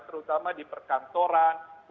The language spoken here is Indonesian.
terutama di perkantoran